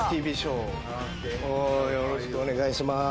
ＯＫ．よろしくお願いします。